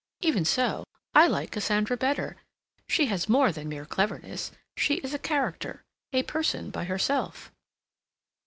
Even so, I like Cassandra better. She has more than mere cleverness. She is a character—a person by herself."